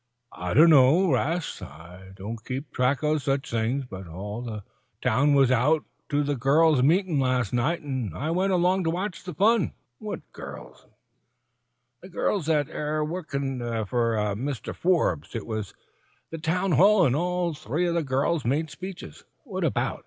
"I dunno, 'Rast. I don't keep track o' such things. But all the town was out to the girls' meetin' last night, an' I went along to watch the fun." "What girls' meeting?" "The girls thet air workin' fer to elect Mr. Forbes. It was in the town hall, an' all three of the girls made speeches." "What about?"